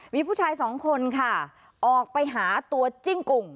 มีผู้ชายสองคนค่ะออกไปหาตัวจิ้งกุ่ง